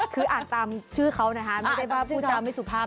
คืออ่านตามชื่อเขานะคะไม่ได้ว่าพูดจาไม่สุภาพ